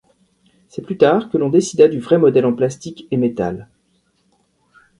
C'est plus tard que l'on décida du vrai modèle en plastique et métal.